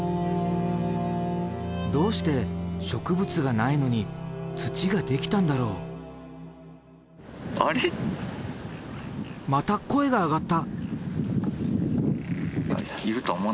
どうして植物がないのに土ができたんだろう？また声が上がった。